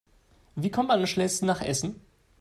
Wie kommt man am schnellsten nach Essen?